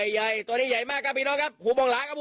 ไหล่หวาไปพี่บาว